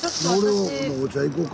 俺お茶行こうか？